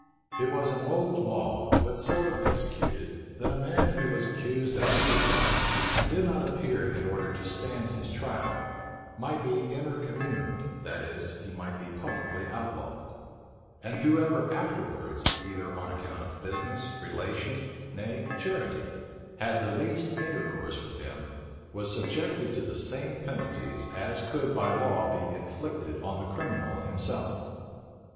It was an old law, but seldom executed, that a man who was accused of any crime, and did not appear in order to stand his trial, might be intercommuned, that is, he might be publicly outlawed; and whoever afterwards, either on account of business, relation, nay, charity, had the least intercourse with him, was subjected to the same penalties as could by law be inflicted on the criminal himself.